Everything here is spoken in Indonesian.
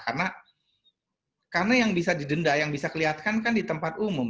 karena yang bisa didenda yang bisa kelihatkan kan di tempat umum